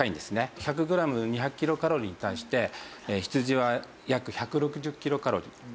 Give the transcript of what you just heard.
１００グラム２００キロカロリーに対して羊は約１６０キロカロリー。